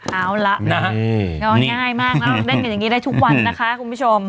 เอาละง่ายมากได้เหมือนจะอยู่ได้ทุกวันนะคะคุณผู้ชม